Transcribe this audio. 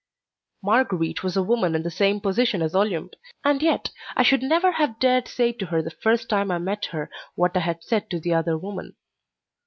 Marguerite was a woman in the same position as Olympe, and yet I should never have dared say to her the first time I met her what I had said to the other woman.